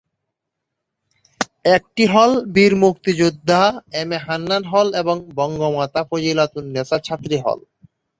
একটি হল বীর মুক্তিযোদ্ধা এম এ হান্নান হল এবং বঙ্গমাতা ফজিলাতুন্নেছা ছাত্রী হল।